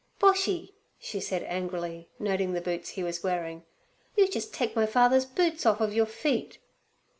Boshy,' she said angrily, noticing the boots he was wearing, 'you jus' take my father's boots on orf of your feet.'